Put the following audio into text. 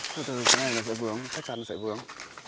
thật ra cái này là sợi vướng